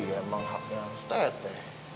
iya emang haknya teh teh